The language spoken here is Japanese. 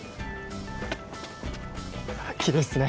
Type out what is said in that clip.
きれいっすね。